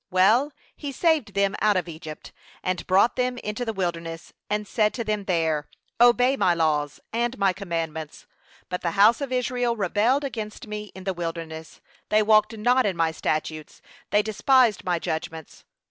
Well, he saved them out of Egypt, and brought them into the wilderness, and said to them there, Obey my laws, and my commandments; but the house of Israel rebelled against me in the wilderness, they walked not in my statutes, they despised my judgments.